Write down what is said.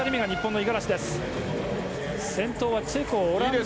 先頭はチェコオランダ。